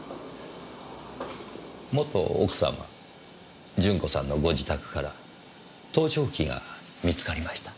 元奥様順子さんのご自宅から盗聴器が見つかりました。